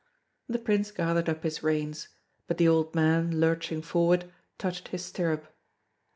The Prince gathered up his reins; but the old man, lurching forward, touched his stirrup.